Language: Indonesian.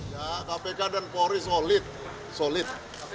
ya kpk dan polri solid solid